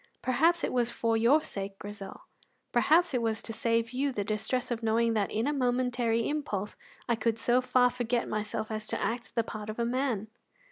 Perhaps it was for your sake, Grizel; perhaps it was to save you the distress of knowing that in a momentary impulse I could so far forget myself as to act the part of a man."